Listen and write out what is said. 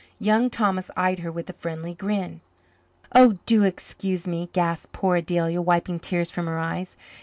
Young Thomas eyed her with a friendly grin. "Oh, do excuse me," gasped poor Adelia, wiping tears from her eyes.